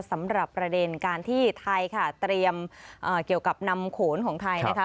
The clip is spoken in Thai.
สำหรับประเด็นการที่ไทยค่ะเตรียมเกี่ยวกับนำโขนของไทยนะคะ